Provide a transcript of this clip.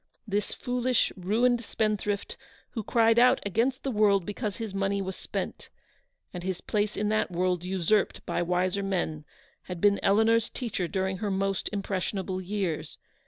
This foolish, ruined spendthrift, who cried out against the world because his money was spent, and his place in that world usurped by wiser men, had 282 ELEANOR S VICTORY. been Eleanor's teacher during her most impres sionable years.